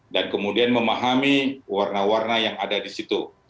dan kemudian memahami warna warna yang ada di situ